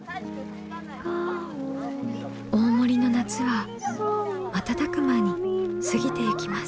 大森の夏は瞬く間に過ぎてゆきます。